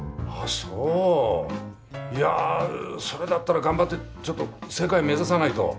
いやそれだったら頑張ってちょっと世界目指さないと！